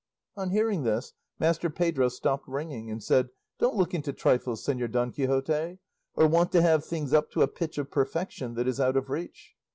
On hearing this, Master Pedro stopped ringing, and said, "Don't look into trifles, Señor Don Quixote, or want to have things up to a pitch of perfection that is out of reach.